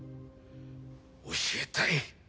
教えたい。